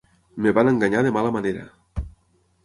Em van enganyar de mala manera!